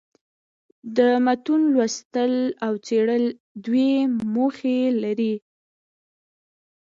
د متون لوستل او څېړل دوې موخي لري.